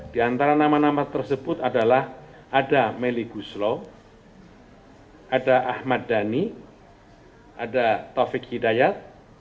di antara nama nama tersebut adalah ada meli guslo ada ahmad dhani ada taufik hidayat